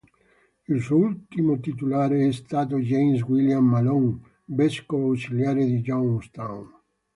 Il suo ultimo titolare è stato James William Malone, vescovo ausiliare di Youngstown.